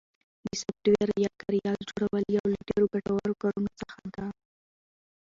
د سافټویر یا کاریال جوړل یو له ډېرو ګټورو کارونو څخه ده